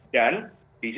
dan di sisi